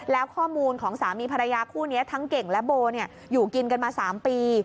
แล้วข้อมูลของสามีภรรยาคู่นี้ทั้งเก่งและโบอยู่กินกันมา๓ปี